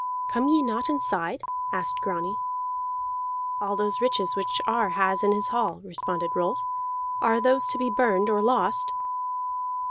"Come ye not inside?" asked Grani. "All those riches which Ar has in his hall," responded Rolf, "are those to be burned or lost?"